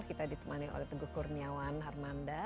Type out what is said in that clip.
kita ditemani oleh teguh kurniawan harmanda